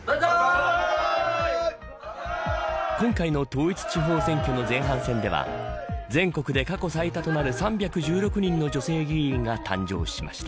今回の統一地方選挙の前半戦では全国で過去最多となる３１６人の女性議員が誕生しました。